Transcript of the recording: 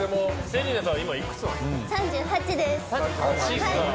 ３８です。